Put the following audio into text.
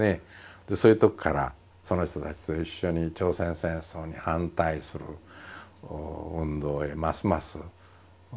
でそういうとこからその人たちと一緒に朝鮮戦争に反対する運動へますますのめり込んでいくと。